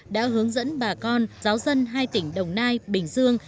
đã hướng dẫn bà con giáo dân hai tỉnh đồng nai bình dương